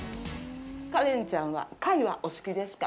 花恋ちゃんは、貝はお好きですか？